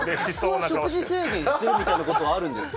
食事制限してるみたいなことあるんですか？